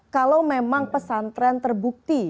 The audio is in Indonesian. kalau memang pesantren terbukti